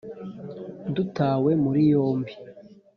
Dutawe muri yombi